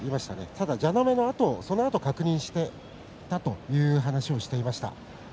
ただ蛇の目の跡そのあと確認してという話をしていました。